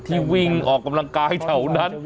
ที่วิ่งออกกำลังกายแถวนั้น